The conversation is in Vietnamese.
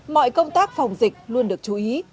mọi công tác phòng dịch luôn được chú ý